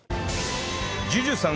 ＪＵＪＵ さん